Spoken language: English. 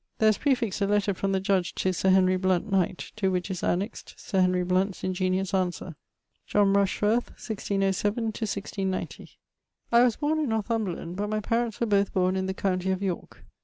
There is praefixt a letter from the Judge to Sir Henry Blount, knight; to which is annexed Sir Henry Blount's ingeniose answer. =John Rushworth= (1607 1690). I was borne in Northumberland, but my parents were both born in the county of York.